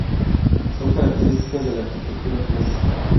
Son características de la arquitectura clásica.